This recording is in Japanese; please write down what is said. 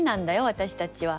私たちは。